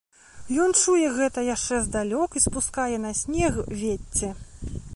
Ён чуе гэта яшчэ здалёк і спускае на снег вецце.